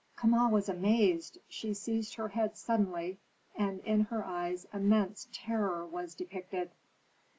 Kama was amazed. She seized her head suddenly, and in her eyes immense terror was depicted.